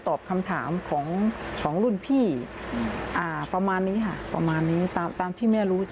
ตอบคำถามของของรุ่นพี่ประมาณนี้ค่ะประมาณนี้ตามตามที่แม่รู้